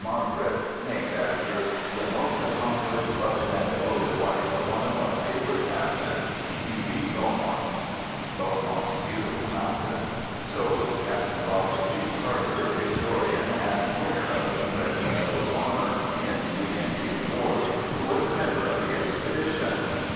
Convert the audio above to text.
Margaret, named after "the most accomplished, loving and devoted wife of one of our favorite captains, E. B. Beaumont"—(Beaumont Beautiful Mountain), so wrote Captain Robert G. Carter, historian and winner of The Congressional Medal of Honor in the Indian Wars, who was a member of the expedition.